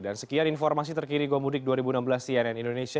dan sekian informasi terkini gomudik dua ribu enam belas cnn indonesia